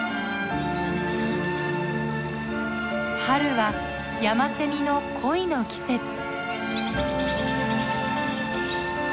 春はヤマセミの恋の季節。